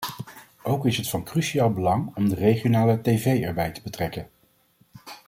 Ook is het van cruciaal belang om de regionale tv erbij te betrekken.